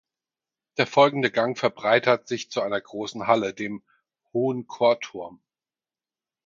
Der folgende Gang verbreitert sich zu einer großen Halle, dem "Hohen Chorturm".